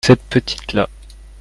Cette petite-là.